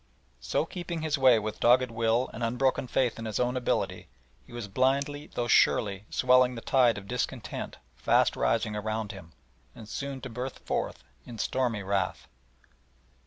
So keeping his way with dogged will and unbroken faith in his own ability, he was blindly though surely swelling the tide of discontent fast rising around him, and soon to burst forth in stormy wrath.